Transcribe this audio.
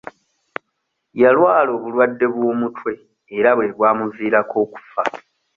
Yalwala obulwadde bw'omutwe era bwe bwamuviirako okufa.